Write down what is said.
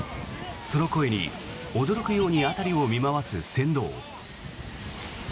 その声に驚くように辺りを見回す船頭。